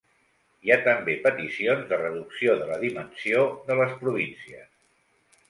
Hi ha també peticions de reducció de la dimensió de les províncies.